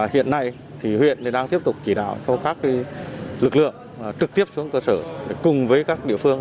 hiện nay huyện đang tiếp tục chỉ đạo cho các lực lượng trực tiếp xuống cơ sở cùng với các địa phương